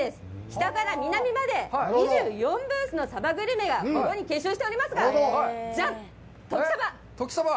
北から南まで２４ブースのサバグルメがここに結集しておりますが、旬さば。